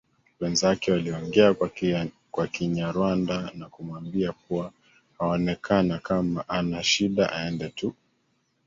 Wenzake waliongea kwa Kinyarwanda na kumwambia kua haonekana kama ana shida aende tu